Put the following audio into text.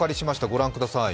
御覧ください。